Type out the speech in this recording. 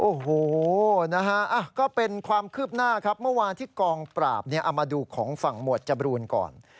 โอ้โหนะฮะก็เป็นความคืบหน้าครับเมื่อวานที่กองปราบเอามาดูของฝั่งหมวดจบรูนก่อน